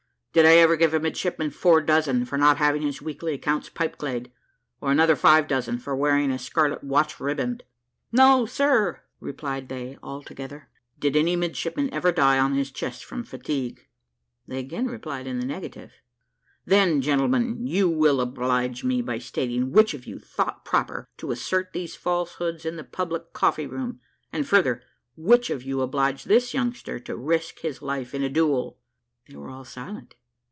"Did I ever give a midshipman four dozen for not having his weekly accounts pipe clayed; or another five dozen for wearing a scarlet watch riband?" "No, sir," replied they all together. "Did any midshipman ever die on his chest from fatigue?" They again replied in the negative. "Then, gentlemen, you will oblige me by stating which of you thought proper to assert these falsehoods in a public coffee room; and further, which of you obliged this youngster to risk his life in a duel?" They were all silent.